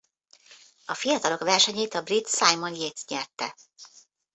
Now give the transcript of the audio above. A fiatalok versenyét a brit Simon Yates nyerte.